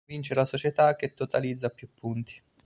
Vince la società che totalizza più punti.